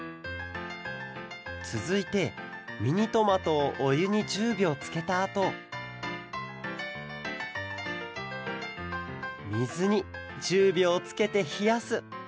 つづいてミニトマトをおゆに１０びょうつけたあとみずに１０びょうつけてひやす。